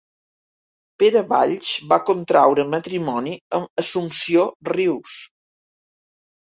Pere Valls va contraure matrimoni amb Assumpció Rius.